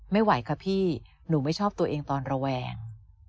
ไม่ไหวค่ะพี่หนูไม่ชอบตัวเองตอนระแวง